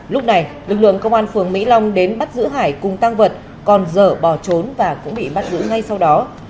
lúc này lực lượng công an phường mỹ long đến bắt giữ hải cùng tăng vật còn dở bỏ trốn và cũng bị bắt giữ ngay sau đó